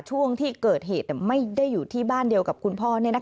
ช่วงที่เกิดเหตุไม่ได้อยู่ที่บ้านเดียวกับคุณพ่อ